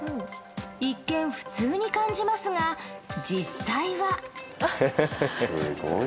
一見、普通に感じますが実際は。